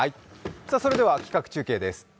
それでは企画中継です。